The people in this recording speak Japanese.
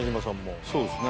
伊達：そうですね。